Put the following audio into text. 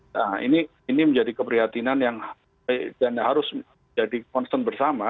nah ini menjadi keprihatinan yang harus jadi concern bersama